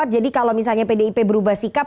jadi kalau misalnya pdip berubah sikap